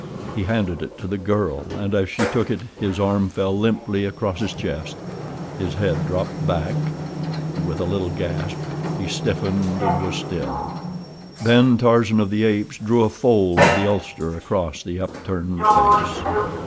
He handed it to the girl, and as she took it his arm fell limply across his chest, his head dropped back, and with a little gasp he stiffened and was still. Then Tarzan of the Apes drew a fold of the ulster across the upturned face.